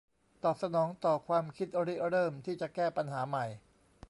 ตอบสนองต่อความคิดริเริ่มที่จะแก้ปัญหาใหม่